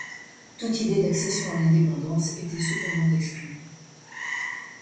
Toute idée d’accession à l'indépendance était cependant exclue.